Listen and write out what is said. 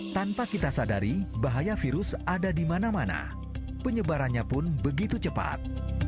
tanpa kita sadari bahaya virus ada di mana mana penyebarannya pun begitu cepat